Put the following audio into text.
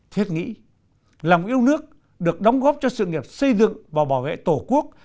thiết nghĩ lòng yêu nước được đóng góp cho sự nghiệp xây dựng và bảo vệ tổ quốc